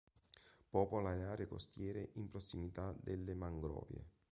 Popola le aree costiere in prossimità delle mangrovie.